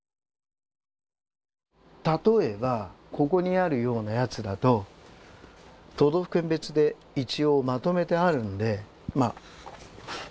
例えばここにあるようなやつだと都道府県別で一応まとめてあるんで。